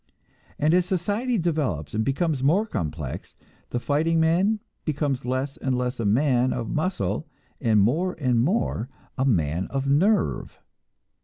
And as society develops and becomes more complex, the fighting man becomes less and less a man of muscle, and more and more a man of "nerve."